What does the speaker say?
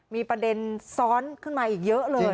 มีประเด็นซ้อนขึ้นมาอีกเยอะเลย